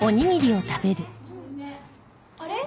あれ？